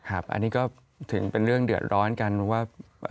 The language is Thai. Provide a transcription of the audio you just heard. อันนี้ก็ถึงเป็นเรื่องเดือดร้อนกันว่า